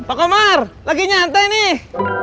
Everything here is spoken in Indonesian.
apa komar lagi nyantai nih